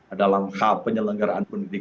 adalah langkah penyelenggaraan pendidikan